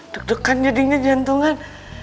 dudukkan jadinya jantungan